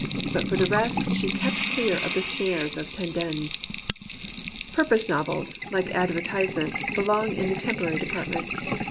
But for the rest she kept clear of the snare of Tendenz. Purpose novels, like advertisements, belong in the temporary department.